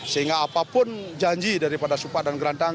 sehingga apapun janji daripada cupak dan gerantang